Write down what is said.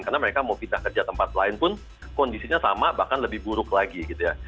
karena mereka mau pindah kerja ke tempat lain pun kondisinya sama bahkan lebih buruk lagi gitu ya